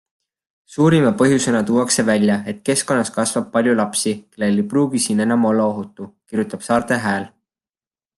Suurima põhjusena tuuakse välja, et keskkonnas kasvab palju lapsi, kellel ei pruugi siin enam olla ohutu, kirjutab Saarte Hääl.